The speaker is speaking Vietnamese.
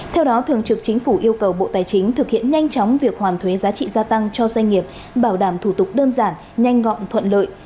theo đó thường trực chính phủ yêu cầu bộ tài chính thực hiện nhanh chóng việc hoàn thuế giá trị gia tăng cho doanh nghiệp bảo đảm thủ tục đơn giản nhanh gọn thuận lợi